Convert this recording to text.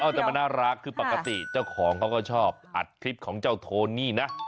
แต่มันน่ารักคือปกติเจ้าของเขาก็ชอบอัดคลิปของเจ้าโทนี่นะ